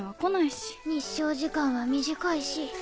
日照時間は短いし。